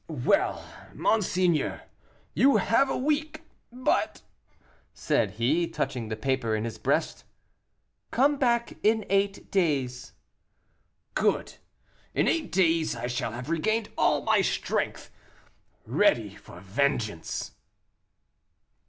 "Well, monseigneur, you have a week; but " said he, touching the paper in his breast. "Come back in eight days." "Good! in eight days I shall have regained all my strength, ready for vengeance."